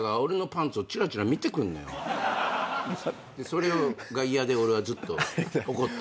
それが嫌で俺はずっと怒ってるっていう。